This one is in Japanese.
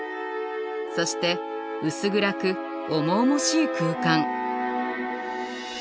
そして薄暗く重々しい空間。